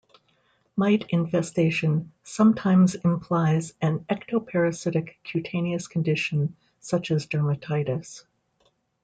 Mite infestation sometimes implies an ectoparasitic, cutaneous condition such as dermatitis.